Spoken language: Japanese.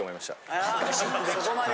あそこまで。